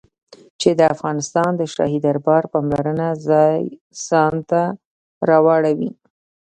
چې د افغانستان د شاهي دربار پاملرنه ځان ته را واړوي.